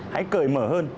hãy cởi mở hơn